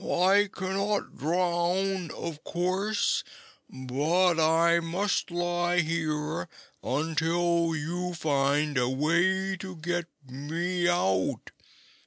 "I cannot drown, of course, but I must lie here until you find a way to get me out.